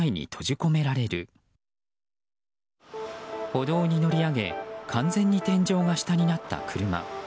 歩道に乗り上げ完全に天井が下になった車。